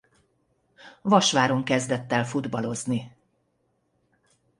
Vasváron kezdett el futballozni.